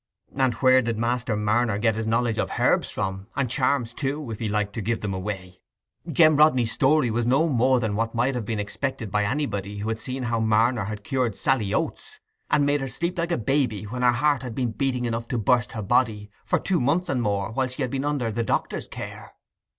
And where did Master Marner get his knowledge of herbs from—and charms too, if he liked to give them away? Jem Rodney's story was no more than what might have been expected by anybody who had seen how Marner had cured Sally Oates, and made her sleep like a baby, when her heart had been beating enough to burst her body, for two months and more, while she had been under the doctor's care.